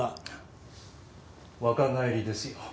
若返りですよ。